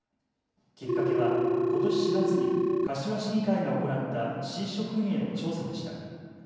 きっかけはことし４月に柏市議会が行った市職員への調査でした。